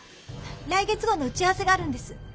来月号の打ち合わせがあるんです。